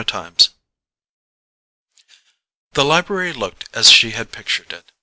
Chapter 12 The library looked as she had pictured it.